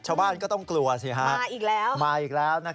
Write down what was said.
ชาวบ้านก็ต้องกลัวสิฮะมาอีกแล้วมาอีกแล้ว